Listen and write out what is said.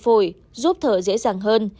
phổi giúp thở dễ dàng hơn